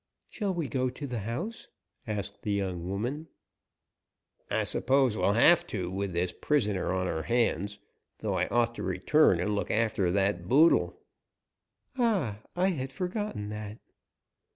"Shall we go to the house?" asked the young woman. "I suppose we'll have to, with this prisoner on our hands, though I ought to return and look after that boodle " "Ah! I had forgotten that."